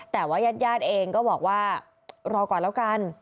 แต่ว่ายาดเองก็บอกว่ารอก่อนแล้วกัน